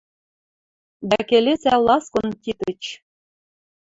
Дӓ келесӓ ласкон Титыч